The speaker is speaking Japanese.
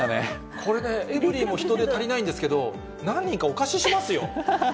これね、エブリィも人手、足りないんですけど、何人かお貸ししますよ。